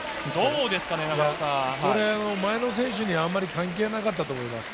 前の選手にあまり関係なかったと思います。